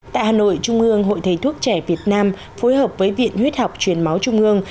tại hà nội trung ương hội thầy thuốc trẻ việt nam phối hợp với viện huyết học truyền máu trung ương